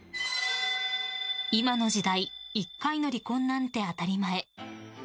今の時代１回の離婚なんて当たり前。